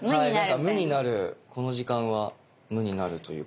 なんか無になるこの時間は無になるというか。